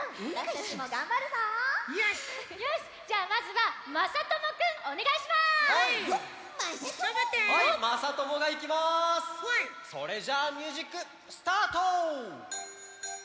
それじゃあミュージックスタート！